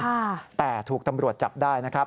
ค่ะแต่ถูกตำรวจจับได้